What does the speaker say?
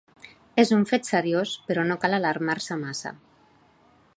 És un fet seriós, però no cal alarmar-se massa.